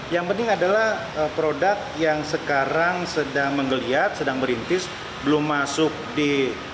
yang penting adalah produk yang sekarang sedang menggeliat sedang merintis belum masuk di